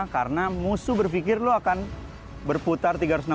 karena musuh berpikir lo akan berputar tiga ratus enam puluh